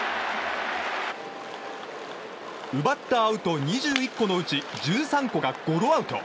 奪ったアウト２１個のうち１３個がゴロアウト。